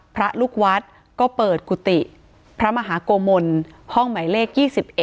พระลูกวัดก็เปิดกุฏิพระมหาโกมลห้องหมายเลข๒๑